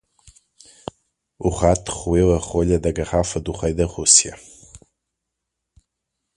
O rato roeu a rolha da garrafa do Rei da Rússia.